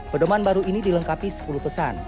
pedoman baru ini dilengkapi sepuluh pesan